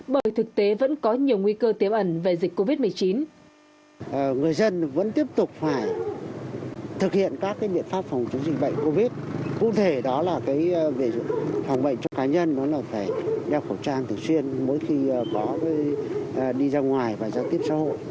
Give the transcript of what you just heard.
phòng bệnh cho cá nhân phải đeo khẩu trang thường xuyên mỗi khi đi ra ngoài và giao tiếp xã hội